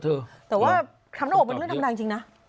แต่ว่าทำหน้าอกมันยังทำได้จริงนะ